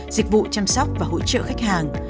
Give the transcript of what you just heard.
dịch vụ chăm sóc và hỗ trợ khách hàng